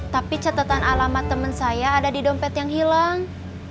tapi catatan alamat teman saya ada di dompet yang hilang